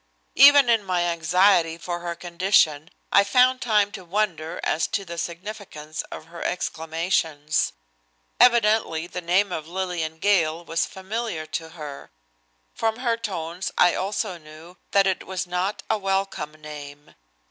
Even in my anxiety for her condition I found time to wonder as to the significance of her exclamations. Evidently the name of Lillian Gale was familiar to her. From her tones also I knew that it was not a welcome name.